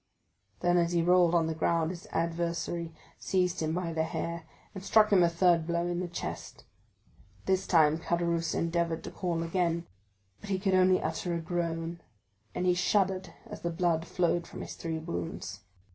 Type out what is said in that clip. Then, as he rolled on the ground, his adversary seized him by the hair, and struck him a third blow in the chest. This time Caderousse endeavored to call again, but he could only utter a groan, and he shuddered as the blood flowed from his three wounds.